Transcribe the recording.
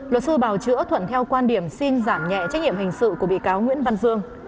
luật sư bào chữa thuận theo quan điểm xin giảm nhẹ trách nhiệm hình sự của bị cáo nguyễn văn dương